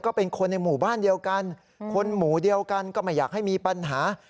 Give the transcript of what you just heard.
ก็เป็นคนในหมู่บ้านเดียวกันคนหมู่เดียวกันก็ไม่อยากให้มีปัญหา